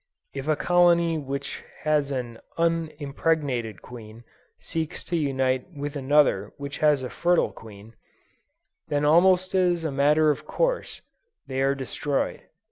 If a colony which has an unimpregnated queen seeks to unite with another which has a fertile one, then almost as a matter of course they are destroyed!